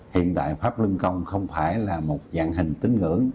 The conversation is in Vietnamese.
hiện tại pháp lưng công không phải là một dạng hình tính ngưỡng